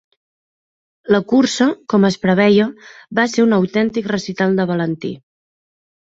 La cursa, com es preveia, va ser un autèntic recital de Valentí.